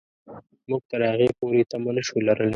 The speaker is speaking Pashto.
موږ تر هغې پورې تمه نه شو لرلای.